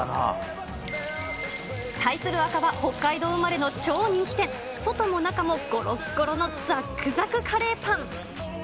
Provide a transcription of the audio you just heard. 対する赤は北海道生まれの超人気店、外も中もごろっごろのざっくざくのカレーパン。